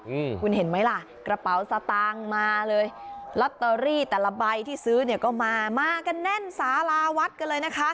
อืมคุณเห็นไหมล่ะกระเป๋าสตางค์มาเลยลอตเตอรี่แต่ละใบที่ซื้อเนี่ยก็มามากันแน่นสาราวัดกันเลยนะคะ